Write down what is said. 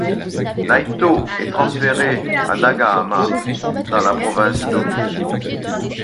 Naitō est transféré à Nagahama dans la province d'Ōmi.